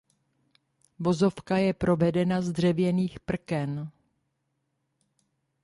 Vozovka je provedena z dřevěných prken.